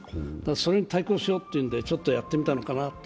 それに対抗しようというので、ちょっとやってみたのかなと。